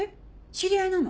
知り合いなの？